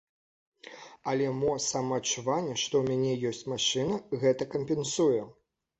Але мо самаадчуванне, што ў мяне ёсць машына, гэта кампенсуе.